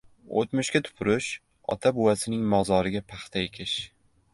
O‘tmishga tupurish, ota-buvasining mozoriga paxta ekish